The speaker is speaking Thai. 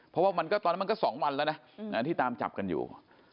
เพราะว่ามันก็ตอนนั้นมันก็๒วันแล้วนะที่ตามจับกันอยู่